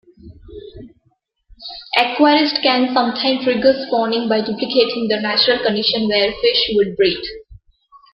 Aquarists can sometimes trigger spawning by duplicating the natural conditions where fish would breed.